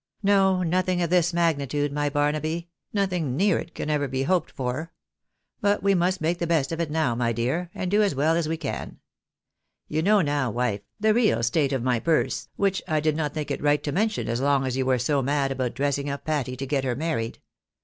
No, nothing of this magnitude, my Barnaby — nothing near it can ever be hoped for. But we must make the best of it now, my dear, and do as well as we can. You know now, wife, the real state of SCHEME TO BEING IN DOLLARS. 51 my purse, wMcli I did not think it right to mention as long as you were so mad about dressing up Patty to get her married.